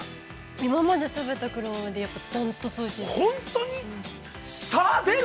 ◆今まで食べた黒豆で、断トツおいしいです。